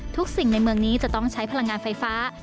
สิ่งในเมืองนี้จะต้องใช้พลังงานไฟฟ้า